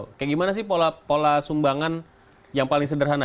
seperti bagaimana pola sumbangan yang paling sederhana